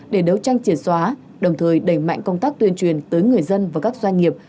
để đấu tranh triệt xóa đồng thời đẩy mạnh công tác tuyên truyền tới người dân và các doanh nghiệp